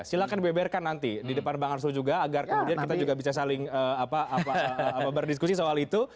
silahkan beberkan nanti di depan bang arsul juga agar kemudian kita juga bisa saling berdiskusi soal itu